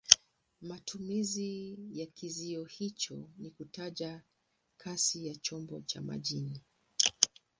Matumizi ya kizio hicho ni kutaja kasi ya chombo cha majini.